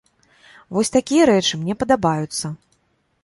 Вось такія рэчы мне падабаюцца.